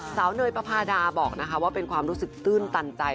สาวเนยปรภาดาบอกว่าเป็นความรู้สึกตื่นตันใจ